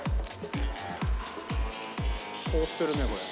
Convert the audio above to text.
凍ってるねこれ。